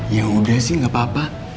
ya udah sih gak apa apa